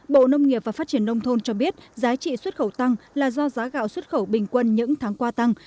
bộ nông nghiệp và phát triển nông thôn cho biết giá trị xuất khẩu tăng là do giá gạo xuất khẩu bình quân những tháng qua tăng